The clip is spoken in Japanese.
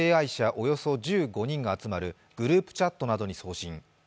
およそ１５人が集まるグループチャットなどに送信。